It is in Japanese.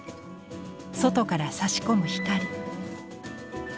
外からさし込む光。